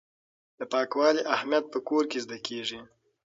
د پاکوالي اهمیت په کور کې زده کیږي.